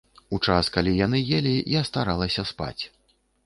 У час, калі яны елі, я старалася спаць.